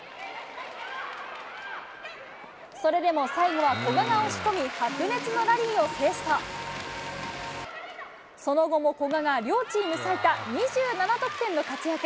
それでも最後は古賀が押し込み、白熱のラリーを制すと、その後も古賀が両チーム最多、２７得点の活躍。